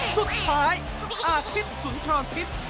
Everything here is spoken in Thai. สุดท้ายอฮิตสุนทรอนฟิศ